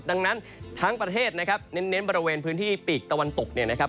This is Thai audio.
ดังนั้นทั้งประเทศนะครับเน้นบริเวณพื้นที่ปีกตะวันตกเนี่ยนะครับ